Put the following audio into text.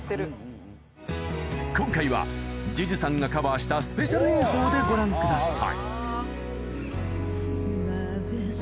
今回は ＪＵＪＵ さんがカバーしたスペシャル映像でご覧ください